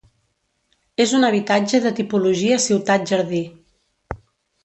És un habitatge de tipologia ciutat-jardí.